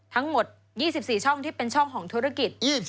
ทั้งหมด๒๔ช่องที่เป็นช่องของธุรกิจ